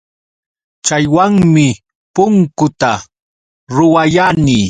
Chaywanmi punkuta ruwayani.